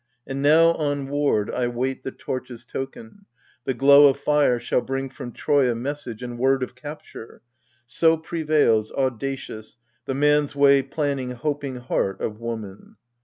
And now on ward I wait the torch's token, The glow of fire, shall bring from Troia message And word of capture : so prevails audacious The man's way planning hoping heart of woman.